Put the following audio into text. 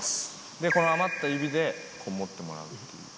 で、この余った指でこう持ってもらうっていう。